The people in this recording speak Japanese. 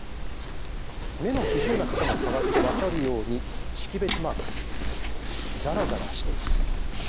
目の不自由な方が触ってわかるように識別マークザラザラしています。